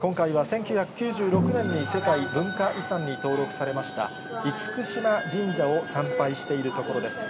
そして今回は１９９６年に世界文化遺産に登録されました、厳島神社を参拝しているところです。